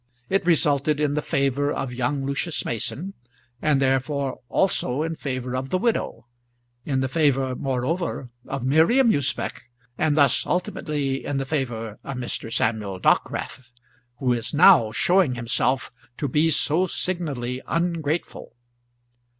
It resulted in the favour of young Lucius Mason, and therefore, also, in the favour of the widow; in the favour moreover of Miriam Usbech, and thus ultimately in the favour of Mr. Samuel Dockwrath, who is now showing himself to be so signally ungrateful.